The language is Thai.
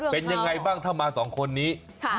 เป็นยังไงบ้างถ้ามาสองคนนี้